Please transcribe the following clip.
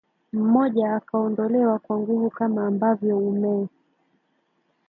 mmoja akaondolewa kwa nguvu kama ambavyo umee